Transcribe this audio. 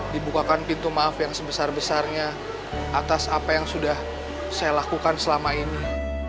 dibukakan pintu maaf yang sebesar besarnya atas apa yang sudah saya lakukan selama ini